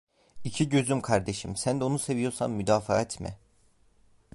İki gözüm kardeşim, sen de onu seviyorsan müdafaa etme…